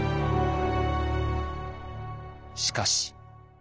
しかし。